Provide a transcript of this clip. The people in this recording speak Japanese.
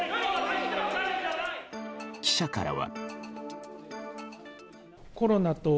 記者からは。